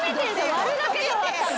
割るだけで終わったの。